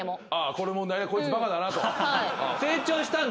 この問題でこいつバカだなと。